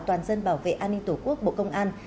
toàn dân bảo vệ an ninh tổ quốc bộ công an